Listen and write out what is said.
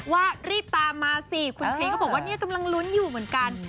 ว่ารีบตามมาสิคุณพรีก็บอกว่าเนี่ยกำลังลุ้นอยู่เหมือนกัน